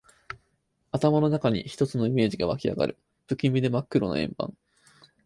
頭の中に一つのイメージが湧きあがる。不気味で真っ黒な円盤。